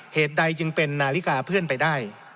เหตุใดจึงเป็นนาฬิกาเพื่อนไปได้